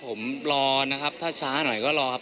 ผมรอนะครับถ้าช้าหน่อยก็รอครับ